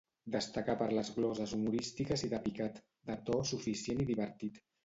Destacà per les gloses humorístiques i de picat, de to suficient i divertit.